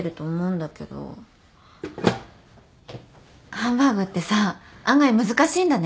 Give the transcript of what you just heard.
ハンバーグってさ案外難しいんだね。